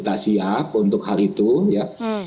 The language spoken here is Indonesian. jadi kita siap untuk hal itu ya